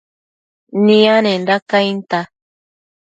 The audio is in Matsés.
nianenda cainta